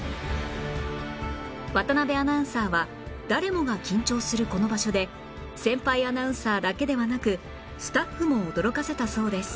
渡辺アナウンサーは誰もが緊張するこの場所で先輩アナウンサーだけではなくスタッフも驚かせたそうです